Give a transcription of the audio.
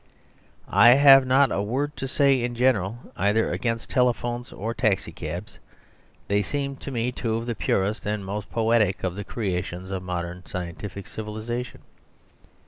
I have not a word to say in general either against telephones or taxi cabs; they seem to me two of the purest and most poetic of the creations of modern scientific civilisation.